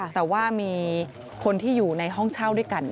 แต่ว่ามีคนที่อยู่ในห้องเช่าด้วยกัน